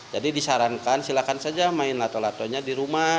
jadi disarankan silakan saja main lato latonya di rumah